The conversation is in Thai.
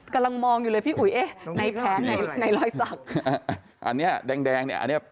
กำลังมองอยู่เลยพี่อุ๋ยเอ๊ะในแผลในในลอยสักอันเนี้ยแดงแดงเนี้ย